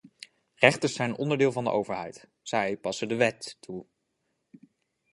Rechters zijn onderdeel van de overheid; zij passen de wet toe.